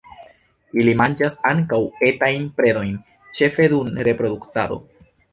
Ili manĝas ankaŭ etajn predojn, ĉefe dum reproduktado.